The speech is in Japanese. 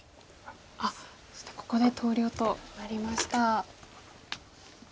そしてここで投了となりました。